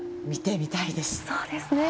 見てみたいです。